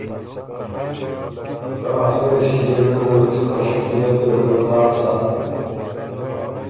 که آخر ݭيې ریوزه وې سو خه شکیله ګیرډ ورا سَۀ